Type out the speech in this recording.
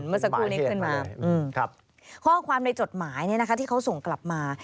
เมื่อสักครู่นี้ขึ้นมาข้อความในจดหมายที่เขาส่งกลับมา